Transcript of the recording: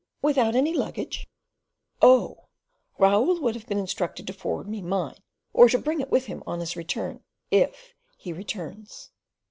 "Without any luggage?" "Oh! Raoul would have been instructed to forward me mine, or to bring it with him on his return, if he returns."